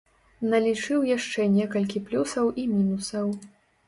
Налічыў яшчэ некалькі плюсаў і мінусаў.